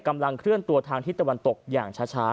กำลังเคลื่อนตัวทางทิศตะวันตกอย่างช้า